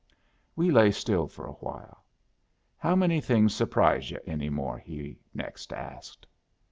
We lay still for a while. "How many things surprise yu' any more?" he next asked.